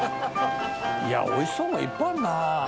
いや美味しそうなのいっぱいあるなあ。